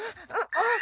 あっ。